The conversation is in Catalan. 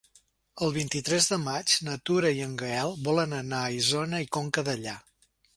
El vint-i-tres de maig na Tura i en Gaël volen anar a Isona i Conca Dellà.